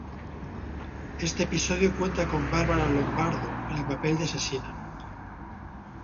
Este episodio cuenta con Bárbara Lombardo, en el papel de asesina.